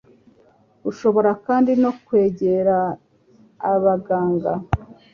Ushobora kandi no kwegera abaganga